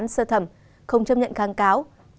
sơ thẩm không chấp nhận kháng cáo